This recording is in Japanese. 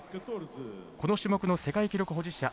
この種目の世界記録保持者